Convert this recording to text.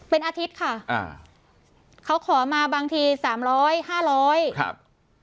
เป็นอาทิตย์ค่ะอ่าเขาขอมาบางทีสามร้อยห้าร้อยครับ